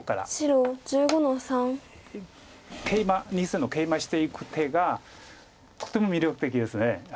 ２線のケイマしていく手がとても魅力的です。